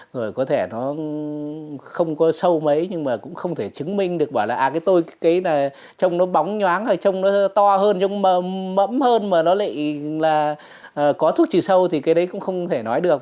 rồi có thể nó không có sâu mấy nhưng mà cũng không thể chứng minh được bảo là à cái tôi cái trông nó bóng nhoáng trông nó to hơn trông mẫm hơn mà nó lại là có thuốc trừ sâu thì cái đấy cũng không thể nói được